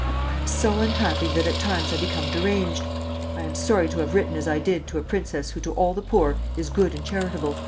I am so unhappy that at times I became deranged. I am sorry to have written as I did to a princess who to all the poor is good and charitable."